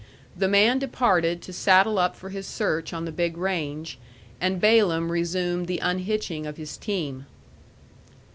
The man departed to saddle up for his search on the big range, and Balaam resumed the unhitching of his team.